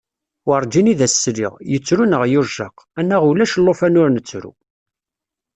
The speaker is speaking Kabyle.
Werǧin i d as-sliɣ, yettru neɣ yujjaq, anaɣ ulac llufan ur nettru.